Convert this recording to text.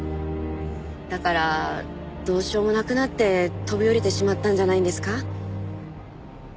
だからどうしようもなくなって飛び降りてしまったんじゃないんですか？